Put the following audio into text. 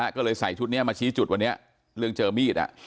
ก็เลยใส่ชุดนี้มาชี้จุดวันนี้เรื่องเจอมีด